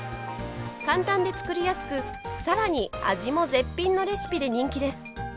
簡単で作りやすくさらに味も絶品のレシピで人気です。